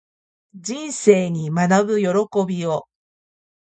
人生に学ぶ喜びを